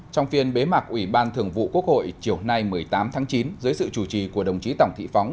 trong phiên bế mạc ủy ban thường vụ quốc hội chiều nay một mươi tám tháng chín dưới sự chủ trì của đồng chí tổng thị phóng